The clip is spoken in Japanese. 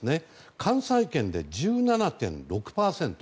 関西圏で１７．６％。